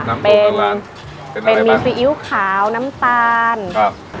น้ำสูตรของร้านเป็นเป็นมีซีอิ๊วขาวน้ำตาลครับ